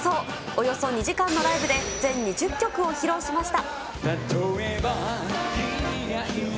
およそ２時間のライブで全２０曲を披露しました。